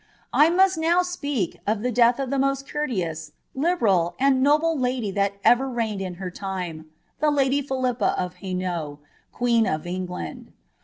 ^ I must now speak' i the death of the most courteous, liberal, and noble lady that ever lined in her time, the lady Philippa of Hainault, queen of England.